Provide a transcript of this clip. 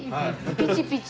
ピチピチ！